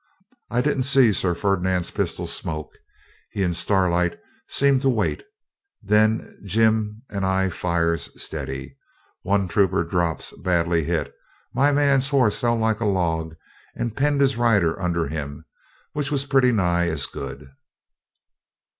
I didn't see Sir Ferdinand's pistol smoke. He and Starlight seemed to wait. Then Jim and I fires steady. One trooper drops badly hit, and my man's horse fell like a log and penned his rider under him, which was pretty nigh as good.